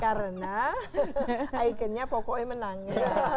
karena ikannya pokoknya menang ya